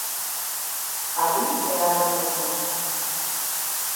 Alí é algo moi normal.